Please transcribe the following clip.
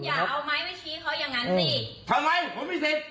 ทำไมผมไม่มีสิทธิ์